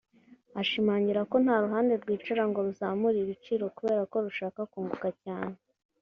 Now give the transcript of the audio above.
Ashimangira ko nta ruhande rwicara ngo ruzamure ibiciro kubera ko rushaka kunguka cyane